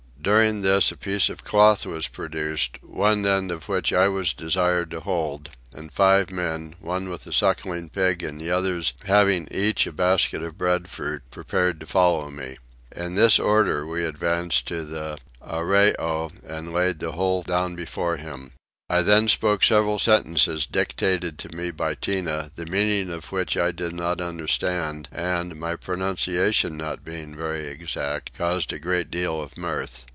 During this a piece of cloth was produced, one end of which I was desired to hold, and five men, one with a sucking pig and the others having each a basket of breadfruit, prepared to follow me. In this order we advanced to the Arreoy and laid the whole down before him. I then spoke several sentences dictated to me by Tinah, the meaning of which I did not understand and, my pronunciation not being very exact, caused a great deal of mirth.